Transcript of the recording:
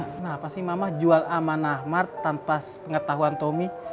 kenapa sih mama jual amanah mart tanpa pengetahuan tommy